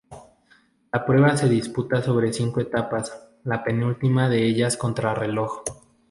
La prueba se disputaba sobre cinco etapas, la penúltima de ellas contrarreloj.